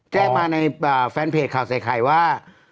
แจ้งมาในแฟนเพจข่าวใส่ไข่ว่า